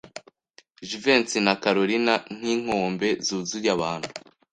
Jivency na Kalorina nkinkombe zuzuye abantu.